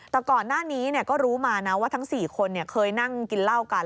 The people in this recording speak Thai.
แต่ก่อนหน้านี้ก็รู้มานะว่าทั้ง๔คนเคยนั่งกินเหล้ากัน